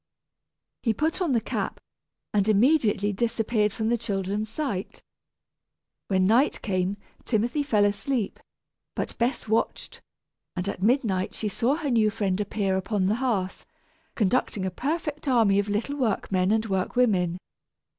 He put on the cap and immediately disappeared from the children's sight. When night came, Timothy fell asleep, but Bess watched; and at midnight she saw her new friend appear upon the hearth, conducting a perfect army of little workmen and workwomen.